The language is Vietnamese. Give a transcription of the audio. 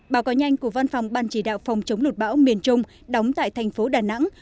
báo cáo nhanh của văn phòng ban chỉ đạo phòng chống lụt bão miền trung đóng tại thành phố đà nẵng